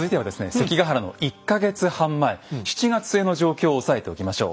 関ヶ原の１か月半前７月末の状況を押さえておきましょう。